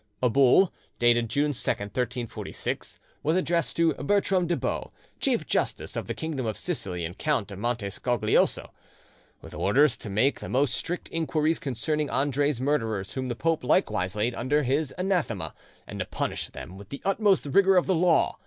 A bull, dated June 2, 1346, was addressed to Bertram de Baux, chief justice of the kingdom of Sicily and Count of Monte Scaglioso, with orders to make the most strict inquiries concerning Andre's murderers, whom the pope likewise laid under his anathema, and to punish them with the utmost rigour of the law.